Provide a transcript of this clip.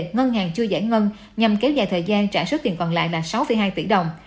ngân hàng chưa giải ngân nhằm kéo dài thời gian trả số tiền còn lại là sáu hai tỷ đồng